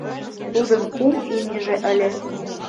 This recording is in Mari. Тудын кум имньыже ыле.